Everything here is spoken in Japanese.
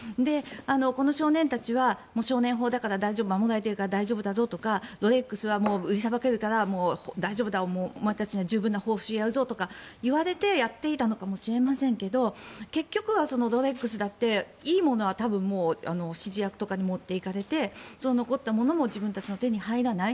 この子どもたちは少年法だから大丈夫守られているから大丈夫とかロレックスは売りさばけるから大丈夫だお前たちには十分な報酬をやるぞと言われてやっていたのかもしれませんが結局はロレックスだっていいものは指示役とかに持っていかれて残ったものは自分たちの手に入らない。